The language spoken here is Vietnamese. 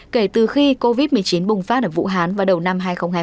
kể từ khi covid một mươi chín bùng phát ở vũ hán vào đầu năm hai nghìn hai mươi một